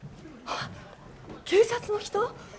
警察の人！？